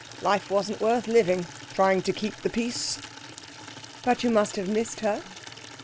'Life wasn't worth living, trying to keep the peace!' 'But you must have missed her?'